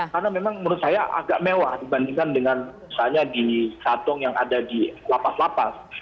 karena memang menurut saya agak mewah dibandingkan dengan misalnya di satong yang ada di lapas lapas